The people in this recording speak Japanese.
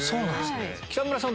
北村さん